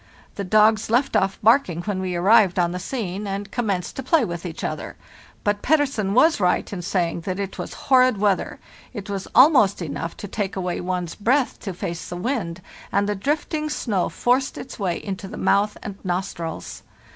The dogs left off barking when we arrived on the scene, and com menced to play with each other. But Pettersen was nght in saying that it was 'horrid weather,' it was almost enough to take away one's breath to face the wind, and the drift ing snow forced its way into the mouth and nostrils.